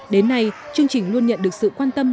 đến nay chương trình luôn nhận được sự quan tâm